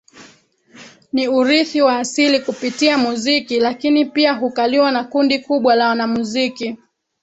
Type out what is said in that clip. Ni urithi wa asili kupitia muziki lakini pia hukaliwa na kundi kubwa la wanamuziki